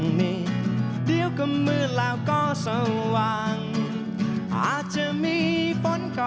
สนุนโดยอีซุสุมิวเอ็กซ์เอกสิทธิ์แห่งความสุข